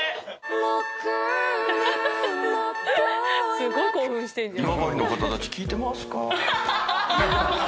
すごい興奮してんじゃん。